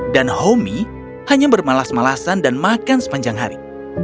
dan homi hanya bermalas malasan dan makan sepanjang hari